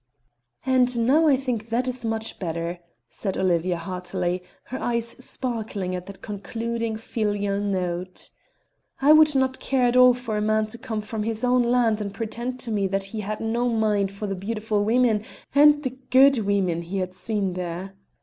"And now I think that is much better," said Olivia, heartily, her eyes sparkling at that concluding filial note. "I would not care at all for a man to come from his own land and pretend to me that he had no mind for the beautiful women and the good women he had seen there.